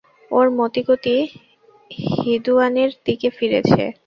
এখন ওঁর মতিগতি হিঁদুয়ানির দিকে ফিরেছে।